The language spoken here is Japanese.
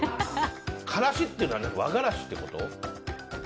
辛子っていうのは和辛子ってこと？